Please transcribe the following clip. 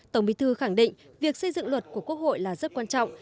tổng bí thư khẳng định việc xây dựng luật của quốc hội là rất quan trọng